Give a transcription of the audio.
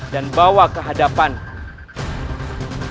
dan bawa kehadapanku